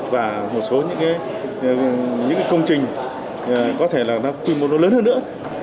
và một số những cái công trình có thể là quy mô nó lớn hơn nữa